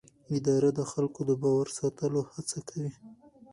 اداره د خلکو د باور ساتلو هڅه کوي.